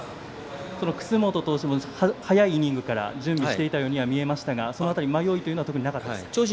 楠本投手も早いイニングから準備していたように見えましたがその辺り迷いというのは特になかったですか？